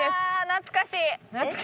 「懐かしい」。